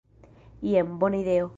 Jes, bona ideo!"